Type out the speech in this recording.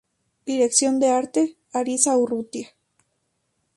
Dirección de arte: Ariza Urrutia.